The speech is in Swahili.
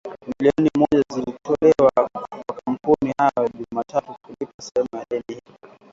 milioni moja zilitolewa kwa makampuni hayo Jumatatu kulipa sehemu ya deni hilo